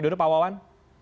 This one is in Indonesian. dulu pak wawan